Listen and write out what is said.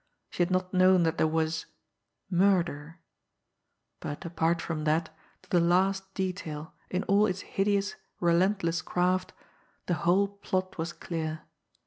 She had not known that there was murder. But apart from that, to the last detail, in all its hideous, relentless craft, the whole plot was clear.